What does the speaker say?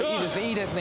いいですね。